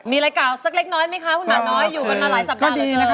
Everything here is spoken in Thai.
มีอะไรกล่าวสักเล็กน้อยไหมคะคุณหมาน้อยอยู่กันมาหลายสัปดาห์เหมือนกันนะคะ